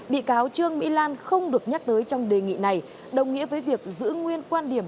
bị cáo trương mỹ lan không được nhắc tới trong đề nghị này đồng nghĩa với việc giữ nguyên quan điểm